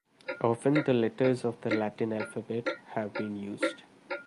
Often the letters of the Latin alphabet have been used.